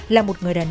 là một người đàn ông